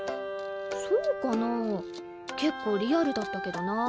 そうかなぁ結構リアルだったけどなぁ。